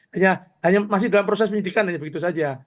hanya masih dalam proses penyidikan hanya begitu saja